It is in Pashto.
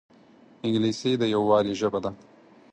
انګلیسي د یووالي ژبه ده